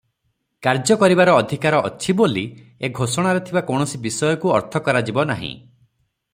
କାର୍ଯ୍ୟ କରିବାର ଅଧିକାର ଅଛି ବୋଲି ଏ ଘୋଷଣାରେ ଥିବା କୌଣସି ବିଷୟକୁ ଅର୍ଥ କରାଯିବ ନାହିଁ ।